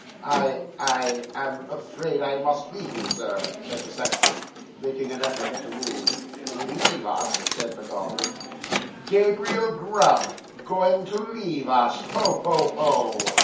'"I I am afraid I must leave you, Sir," said the sexton, making an effort to move. '"Leave us!" said the goblin, "Gabriel Grub going to leave us. Ho! ho! ho!"